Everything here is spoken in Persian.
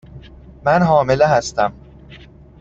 من حامله هستم.